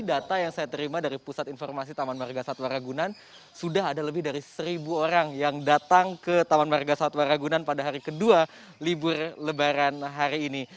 data yang saya terima dari pusat informasi taman marga satwa ragunan sudah ada lebih dari seribu orang yang datang ke taman marga satwa ragunan pada hari kedua libur lebaran hari ini